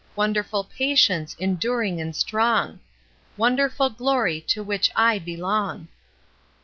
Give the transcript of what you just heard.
Wonderful patience, enduring and strong ! Wonderful glory to which I belong